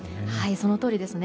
そのとおりですね。